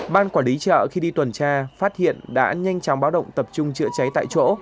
ban quản lý chợ khi đi tuần tra phát hiện đã nhanh chóng báo động tập trung chữa cháy tại chỗ